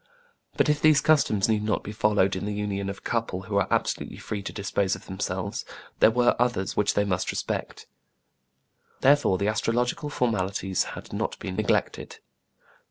But, if these customs need not be followed in the union of a couple who were absolutely free to dispose of themselves, there were others which they must respect. Therefore the astrological formalities had not been neglected.